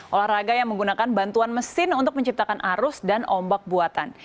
olahraga yang menggunakan bantuan mesin untuk menciptakan arus dan ombak buatan